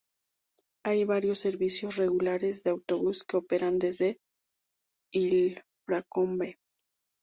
Hay varios servicios regulares de autobús que operan desde Ilfracombe.